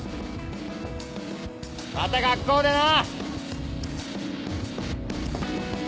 また学校でな！